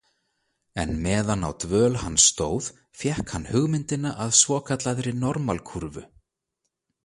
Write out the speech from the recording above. En meðan á dvöl hans stóð fékk hann hugmyndina að svokallaðri normalkúrfu.